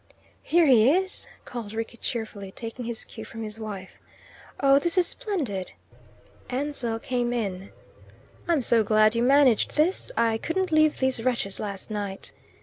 "Here he is!" called Rickie cheerfully, taking his cue from his wife. "Oh, this is splendid!" Ansell came in. "I'm so glad you managed this. I couldn't leave these wretches last night!"